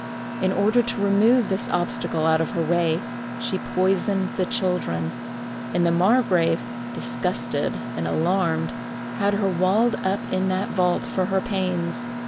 In order to remove this obstacle out of her way, she poisoned the children; and the margrave, disgusted and alarmed, had her walled up in that vault for her pains.